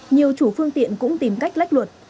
nhiều chủ phương tiện cũng tìm cách lách luật